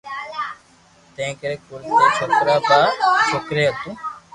تنهنڪري ڪل ٽي ڇوڪرا ۽ ٻه ڇوڪريون هيون.